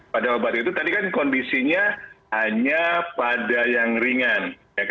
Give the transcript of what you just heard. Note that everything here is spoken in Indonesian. pada obat itu tadi kan kondisinya hanya pada yang ringan